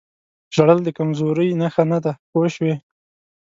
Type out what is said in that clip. ژړل د کمزورۍ نښه نه ده پوه شوې!.